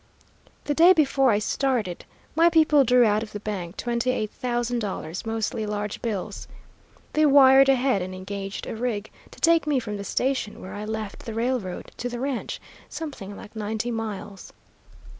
The day before I started, my people drew out of the bank twenty eight thousand dollars, mostly large bills. They wired ahead and engaged a rig to take me from the station where I left the railroad to the ranch, something like ninety miles.